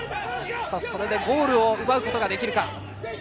それでゴールを奪うことができるか。